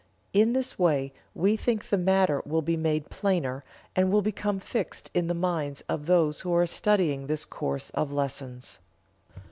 In this way we think the matter will be made plainer, and will become fixed in the mind of those who are studying this course of lessons.